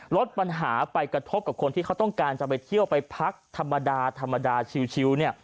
ลดปัญหาไปกระทบกับคนที่เขาต้องการจะไปเที่ยวไปพักธรรมดาธรรมดาชิว